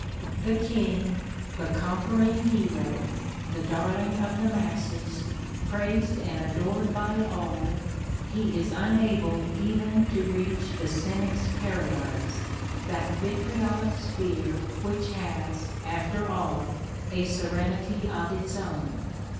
The king, the conquering hero, the darling of the masses, praised and adored by all, he is unable even to reach the cynic's paradise, that vitriolic sphere which has, after all, a serenity of its own.